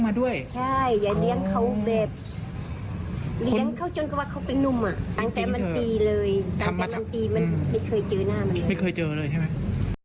ไม่เคยเจอหน้าม